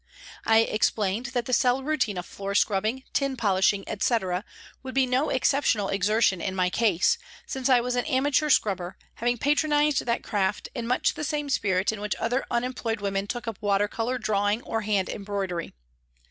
I explained that the cell routine of floor scrubbing, tin polishing, etc., would be no exceptional exertion in my case, since I was an amateur scrubber, having patronised that craft in much the same spirit in which other unemployed women took up water colour drawing or hand embroidery.